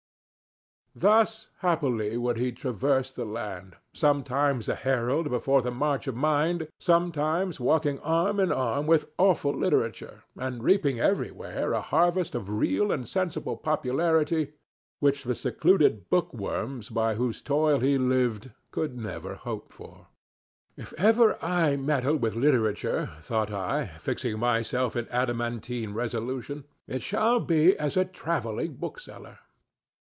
Thus happily would he traverse the land, sometimes a herald before the march of Mind, sometimes walking arm in arm with awful Literature, and reaping everywhere a harvest of real and sensible popularity which the secluded bookworms by whose toil he lived could never hope for. "If ever I meddle with literature," thought I, fixing myself in adamantine resolution, "it shall be as a travelling bookseller."